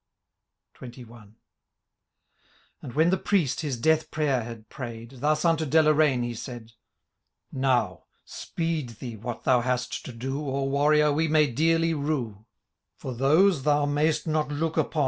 XXI. And when the priest his death piayer had prayM, Thus unto Deloraine he said :—^ Now, speed thee what thou hast to do. Or, Warrior, we may dearly rue ; For those, thou may*st not look upon.